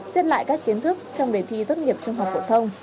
xếp lại các kiến thức trong đề thi tốt nghiệp trung học phổ thông